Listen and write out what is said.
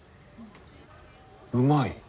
うまい。